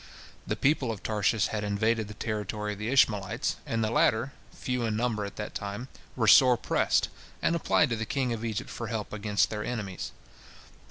The people of Tarshish had invaded the territory of the Ishmaelites, and the latter, few in number at that time, were sore pressed, and applied to the king of Egypt for help against their enemies.